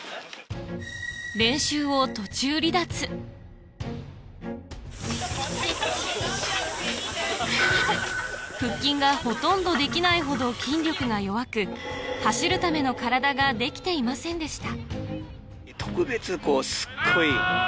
練習を腹筋がほとんどできないほど筋力が弱く走るための体ができていませんでした